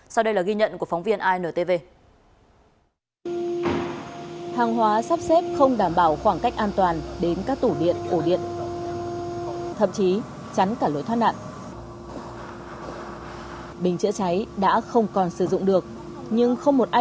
sau đây là ghi nhận của phóng viên intv